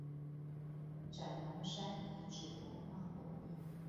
斬龍山遺址文化公園